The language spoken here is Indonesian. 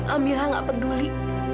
amira gak peduli